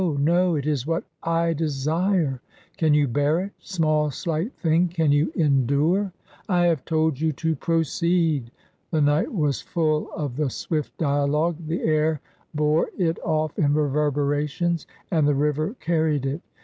No ! It is what I desire." " Can you bear it ? Small, slight thing, can you en dure ?"" I have told you to proceed." The night was full of the swift dialogue : the air bore it off in reverberations, and the river carried it.